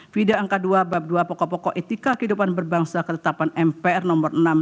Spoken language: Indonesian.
fida angka dua bab dua pokok pokok etika kehidupan berbangsa ketetapan mpr nomor enam dua ribu